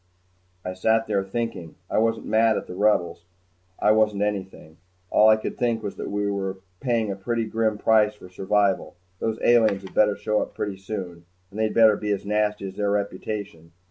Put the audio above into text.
I sat there, thinking. I wasn't mad at the Rebels. I wasn't anything. All I could think was that we were paying a pretty grim price for survival. Those aliens had better show up pretty soon and they'd better be as nasty as their reputation.